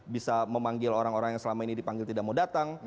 bisa memanggil orang orang yang selama ini dipanggil tidak mau datang